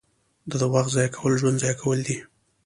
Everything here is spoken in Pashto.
• د وخت ضایع کول ژوند ضایع کول دي.